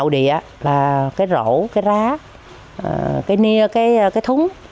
địa là cái rổ cái rá cái nia cái thúng